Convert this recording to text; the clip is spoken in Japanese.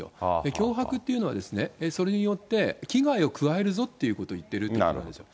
脅迫っていうのは、それによって危害を加えるぞっていうことを言ってるということですよ。